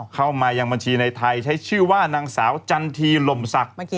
เข้ามายังบัญชีในไทยใช้ชื่อว่านางสาวจันทีลมศักดิ์